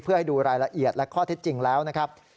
เพื่อให้ดูรายละเอียดและข้อเท็จจริงแล้วนะครับ